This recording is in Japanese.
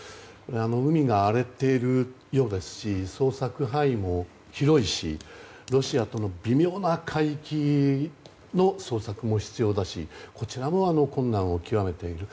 海が荒れているようですし捜索範囲も広いしロシアとの微妙な海域の捜索も必要だしこちらも困難を極めている。